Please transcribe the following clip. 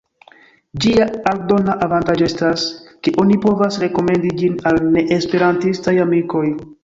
Ĝia aldona avantaĝo estas, ke oni povas rekomendi ĝin al neesperantistaj amikoj.